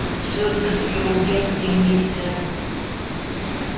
Шыргыж йолген теҥгечат.